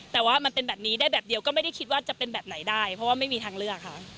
แต่ว่ามันเป็นแบบนี้ได้แบบเดียวก็ไม่ได้คิดว่าจะเป็นแบบไหนได้เพราะว่าไม่มีทางเลือกค่ะ